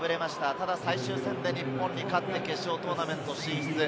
ただ、最終戦で日本に勝って決勝トーナメント進出。